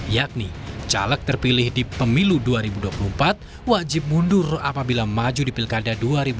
yakni caleg terpilih di pemilu dua ribu dua puluh empat wajib mundur apabila maju di pilkada dua ribu dua puluh